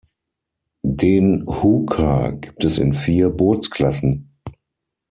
Den Hooker gibt es in vier Bootsklassen.